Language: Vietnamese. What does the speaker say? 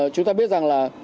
chúng ta biết rằng là